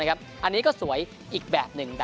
อันนี้ก็สวยอีกแบบหนึ่ง